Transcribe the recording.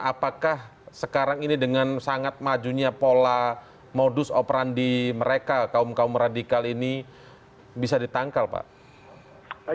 apakah sekarang ini dengan sangat majunya pola modus operandi mereka kaum kaum radikal ini bisa ditangkal pak